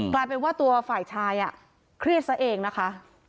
กลายเป็นว่าตัวฝ่ายชายเครียดซะเองนะคะ